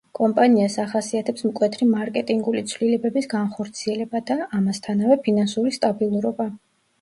კომპანიას ახასიათებს მკვეთრი მარკეტინგული ცვლილებების განხორციელება და, ამასთანავე, ფინანსური სტაბილურობა.